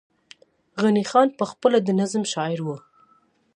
غني خان پخپله د نظم شاعر وو